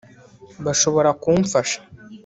bashobora kumfasha